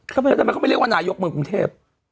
ทำไมเขาไม่เรียกว่านายกเมืองกรุงเทพ